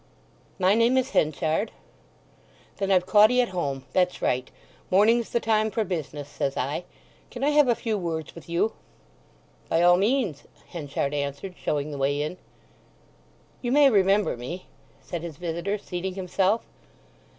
"My name is Henchard." "Then I've caught 'ee at home—that's right. Morning's the time for business, says I. Can I have a few words with you?" "By all means," Henchard answered, showing the way in. "You may remember me?" said his visitor, seating himself.